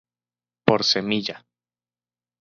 Por semilla.